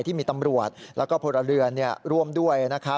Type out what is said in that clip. ที่มีตำรวจแล้วก็พลเรือนร่วมด้วย